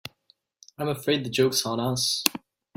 I'm afraid the joke's on us.